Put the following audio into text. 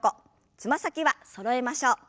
つま先はそろえましょう。